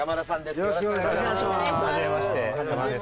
よろしくお願いします